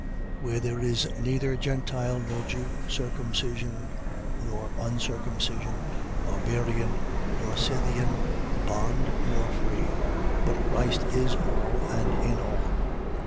3:11. Where there is neither Gentile nor Jew, circumcision nor uncircumcision, Barbarian nor Scythian, bond nor free. But Christ is all and in all.